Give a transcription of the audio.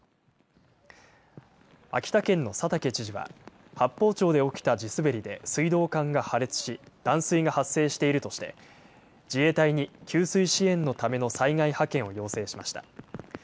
秋田県の佐竹知事は八峰町で起きた地滑りで水道管が破裂し断水が発生しているとして自衛隊に給水支援のための災害派遣を要請しました。